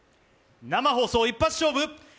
生放送一発勝負！